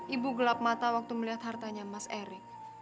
ibu gelap mata waktu melihat hartanya mas erik